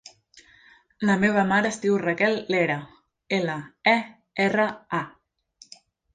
La meva mare es diu Raquel Lera: ela, e, erra, a.